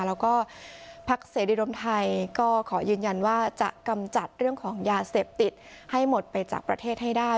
แล้วก็พักเสรีรวมไทยก็ขอยืนยันว่าจะกำจัดเรื่องของยาเสพติดให้หมดไปจากประเทศให้ได้